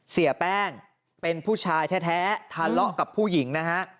เสียแป้งเป็นผู้ชายแท้ทะเลาะกับผู้หญิงนะฮะ